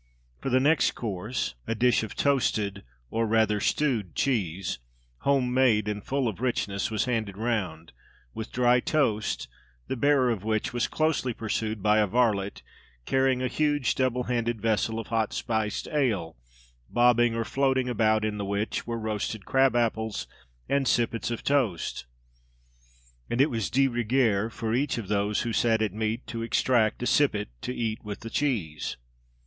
For the next course, a dish of toasted (or rather stewed) cheese, home made and full of richness, was handed round, with dry toast, the bearer of which was closely pursued by a varlet carrying a huge double handed vessel of hot spiced ale, bobbing or floating about in the which were roasted crab apples and sippets of toast; and it was de rigueur for each of those who sat at meat to extract a sippet, to eat with the cheese.